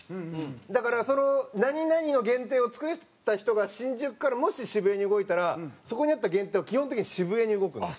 だから何々の限定を作った人が新宿からもし渋谷に動いたらそこにあった限定は基本的に渋谷に動くんです。